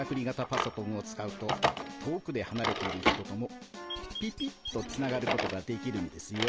パソコンを使うと遠くではなれている人ともピピッとつながることができるんですよ。